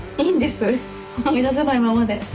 いいんです思い出さないままで。